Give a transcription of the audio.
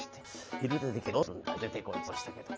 夜出てこい」つってましたけど。